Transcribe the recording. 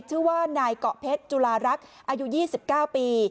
ชื่อว่านายเกาะเพชรจุลารักษ์อายุ๒๙ปี